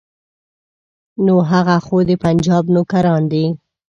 نو هغه خو د پنجاب نوکران دي.